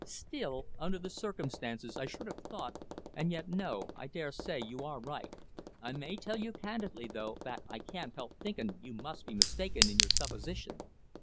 "Still, under the circumstances I should have thought and yet no, I dare say you are right. I may tell you candidly, though, that I can't help thinkin' you must be mistaken in your supposition.